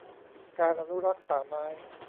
การอนุรักษ์ป่าไม้